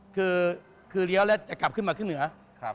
คือเลี้ยวแล้วจะกลับขึ้นมาขึ้นเหนือ